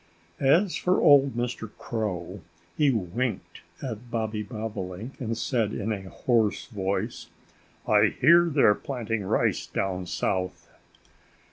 As for old Mr. Crow, he winked at Bobby Bobolink and said in a hoarse voice, "I hear they're planting rice down South."